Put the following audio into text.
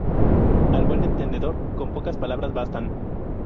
Al buen entendedor, con pocas palabras bastan